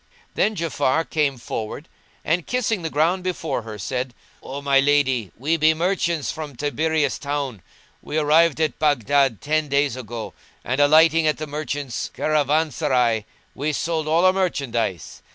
Then Ja'afar came forward and kissing the ground before her said, "O my lady, we be merchants from Tiberias town: we arrived at Baghdad ten days ago; and, alighting at the merchants' caravanserai, we sold all our merchandise.